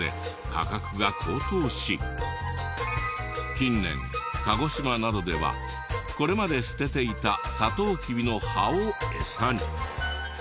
近年鹿児島などではこれまで捨てていたサトウキビの葉をエサに。